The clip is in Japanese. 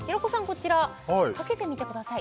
こちらかけてみてください